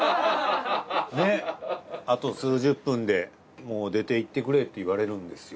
あと数十分でもう出ていってくれって言われるんですよ。